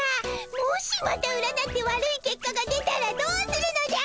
もしまた占って悪い結果が出たらどうするのじゃ！